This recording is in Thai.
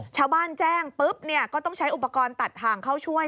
ชาวบ้านแจ้งปุ๊บก็ต้องใช้อุปกรณ์ตัดทางเข้าช่วย